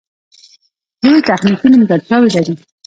لویې تخنیکې نیمګړتیاوې لري